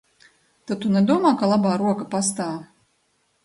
"Tad tu nedomā, ka "Labā roka" pastāv?"